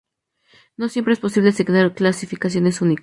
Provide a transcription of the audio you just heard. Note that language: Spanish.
No siempre es posible asignar clasificaciones única.